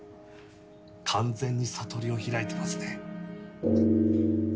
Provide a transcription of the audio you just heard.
完全に悟りを開いてますね